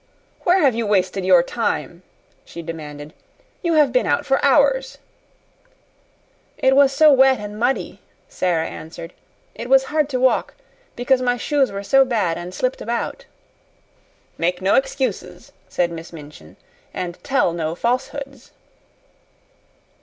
"Where have you wasted your time?" she demanded. "You have been out for hours." "It was so wet and muddy," Sara answered, "it was hard to walk, because my shoes were so bad and slipped about." "Make no excuses," said Miss Minchin, "and tell no falsehoods."